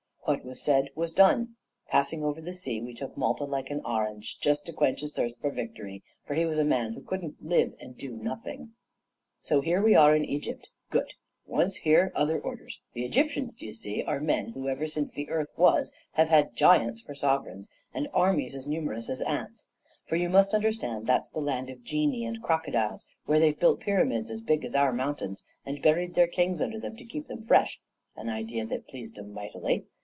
What was said was done. Passing over the sea, we took Malta like an orange, just to quench his thirst for victory; for he was a man who couldn't live and do nothing. "So here we are in Egypt. Good. Once here, other orders. The Egyptians, d'ye see, are men who, ever since the earth was, have had giants for sovereigns, and armies as numerous as ants; for, you must understand, that's the land of genii and crocodiles, where they've built pyramids as big as our mountains, and buried their kings under them to keep them fresh an idea that pleased 'em mightily.